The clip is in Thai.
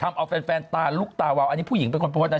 ทำเอาแฟนตาลุกตาวาวอันนี้ผู้หญิงเป็นคนโพสต์นะ